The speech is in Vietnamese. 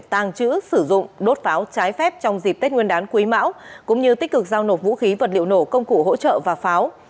tàng trữ sử dụng đốt pháo trái phép trong dịp tết nguyên đán quý mão cũng như tích cực giao nộp vũ khí vật liệu nổ công cụ hỗ trợ và pháo